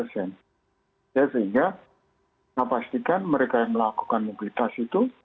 sehingga kita pastikan mereka yang melakukan mobilitas itu